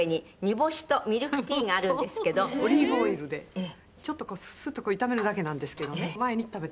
オリーブオイルでちょっとこうスッと炒めるだけなんですけどね。